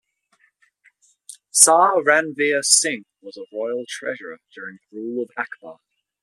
Sah Ranveer Singh was a royal treasurer during the rule of Akbar.